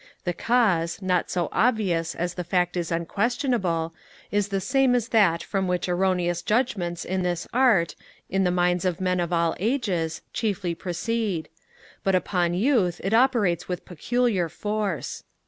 The cause, not so obvious as the fact is unquestionable, is the same as that from which erroneous judgements in this art, in the minds of men of all ages, chiefly proceed; but upon Youth it operates with peculiar force.